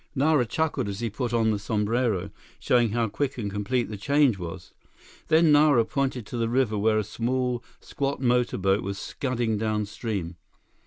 Nara chuckled as he put on the sombrero, showing how quick and complete the change was. Then Nara pointed to the river where a small, squat motorboat was scudding downstream.